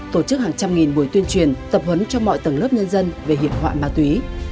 tổ chức hàng trăm nghìn buổi tuyên truyền tập huấn cho mọi tầng lớp nhân dân về hiểm họa ma túy